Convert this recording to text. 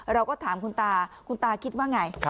เราก็ถามคุณตาคุณตาคิดว่าไง